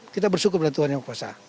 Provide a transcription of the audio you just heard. kita bersyukur dengan tuhan yang kuasa